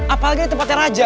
apalagi di tempatnya raja